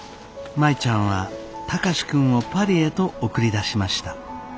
舞ちゃんは貴司君をパリへと送り出しました。